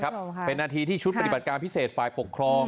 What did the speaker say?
โหคุณคุณผู้ชมครับทีชุดปฏิบัติการพิเศษฟ้าปกครอง